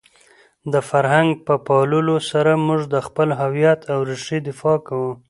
د فرهنګ په پاللو سره موږ د خپل هویت او رېښې دفاع کوو.